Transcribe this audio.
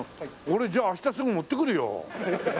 俺じゃあ明日すぐ持ってくるよ。